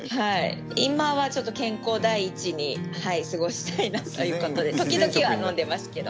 今はちょっと健康第一に過ごしたいなということで時々は飲んでますけど。